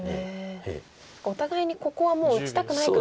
お互いにここはもう打ちたくない空間。